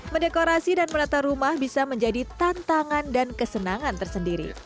mendekorasi dan menata rumah bisa menjadi tantangan dan kesenangan tersendiri